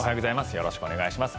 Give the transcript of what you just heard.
よろしくお願いします。